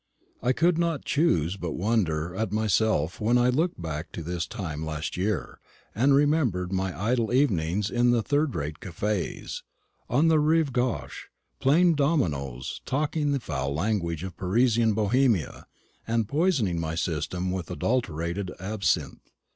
I could not choose but wonder at myself when I looked back to this time last year, and remembered my idle evenings in third rate cafés, on the rive gauche, playing dominoes, talking the foul slang of Parisian bohemia, and poisoning my system with adulterated absinthe.